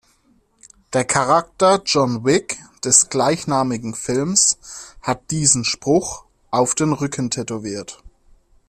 Der Charakter John Wick des gleichnamigen Films hat diesen Spruch auf den Rücken tätowiert.